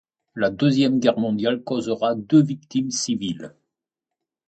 La Deuxième Guerre mondiale causera deux victimes civiles.